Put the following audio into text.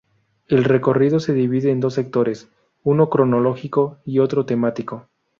El recorrido se divide en dos sectores, uno cronológico y otro temático.